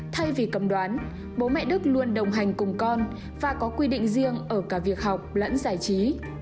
thay vì cầm đoán bố mẹ đức luôn đồng hành cùng con và có quy định riêng ở cả việc học lẫn giải trí